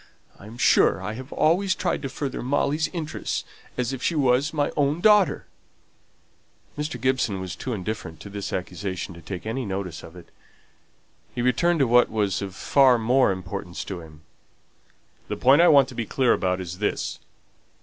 I am sure I have always tried to further Molly's interests as if she was my own daughter." Mr. Gibson was too indifferent to this accusation to take any notice of it. He returned to what was of far more importance to him. "The point I want to be clear about is this.